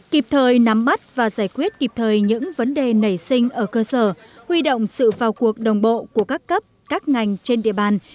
kịp thời nắm bắt và giải quyết kịp thời những vấn đề nảy sinh ở cơ sở huy động sự vào cuộc đồng bộ của các cấp các ngành trên địa bàn